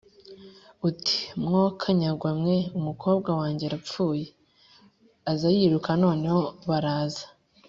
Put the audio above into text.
ati: “mwo kanyagwa mwe, umukobwa wange arapfuye.” aza yiruka noneho, baraza